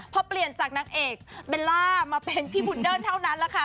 เพราะเปลี่ยนจากนักเอกเบลล่ามาเป็นพี่หมุนเดิ้นเท่านั้นนะคะ